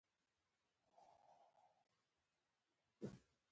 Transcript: د ګروپ مخکېني کسان یوې تنګې کوڅې ته تاو شول.